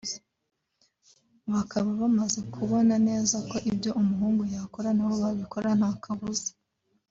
bakaba bamaze kubona neza ko ibyo umuhungu yakora nabo babikora ntakabuza